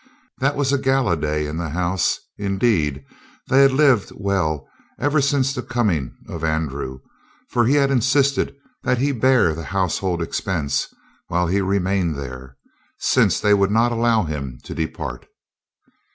That was a gala day in the house. Indeed, they had lived well ever since the coming of Andrew, for he had insisted that he bear the household expense while he remained there, since they would not allow him to depart.